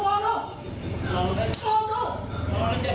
สวัสดีครับคุณผู้ชาย